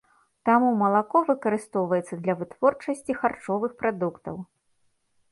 Таму малако выкарыстоўваецца для вытворчасці харчовых прадуктаў.